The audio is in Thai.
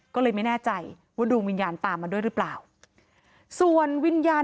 ก็เลยไม่แน่ใจว่าดวงวิญญาณตามมาด้วยหรือเปล่าส่วนวิญญาณ